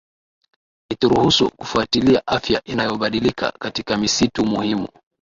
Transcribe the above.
ituruhusu kufuatilia afya inayobadilika katika misitu muhimu